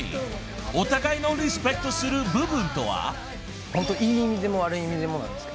お互いのリスペクトする部分とは］